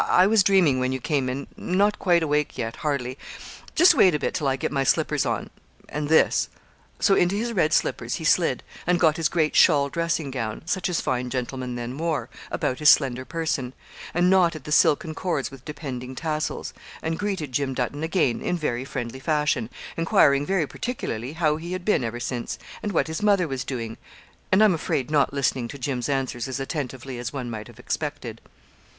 I was dreaming when you came in; not quite awake yet, hardly; just wait a bit till I get my slippers on; and this ' So into his red slippers he slid, and got his great shawl dressing gown, such as fine gentlemen then wore, about his slender person, and knotted the silken cords with depending tassels, and greeted Jim Dutton again in very friendly fashion, enquiring very particularly how he had been ever since, and what his mother was doing; and I'm afraid not listening to Jim's answers as attentively as one might have expected.